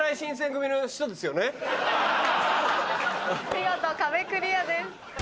見事壁クリアです。